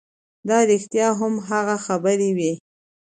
دا رښتیا هم هغه خبرې وې